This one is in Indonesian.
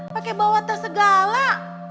pakai bawa tas segala